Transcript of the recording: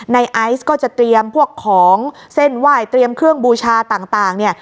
ไอซ์ก็จะเตรียมพวกของเส้นไหว้เตรียมเครื่องบูชาต่างเนี่ย